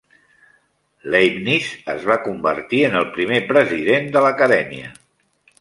Leibniz es va convertir en el primer president de l'Acadèmia.